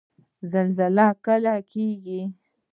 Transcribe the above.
زلزله کله کیږي؟